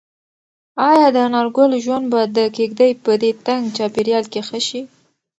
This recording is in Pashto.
ایا د انارګل ژوند به د کيږدۍ په دې تنګ چاپیریال کې ښه شي؟